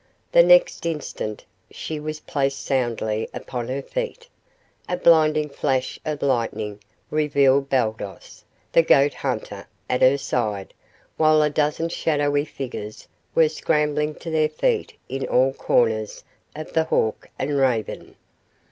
The next instant she was placed soundly upon her feet. A blinding flash of lightning revealed Baldos, the goat hunter, at her side, while a dozen shadowy figures were scrambling to their feet in all corners of the Hawk and Raven.